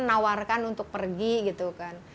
nawarkan untuk pergi gitu kan